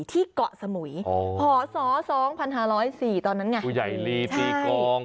ที่เกาะสมุยอ๋อห่อสอสองพันห้าร้อยสี่ตอนนั้นไงตัวใหญ่ลีตีกอง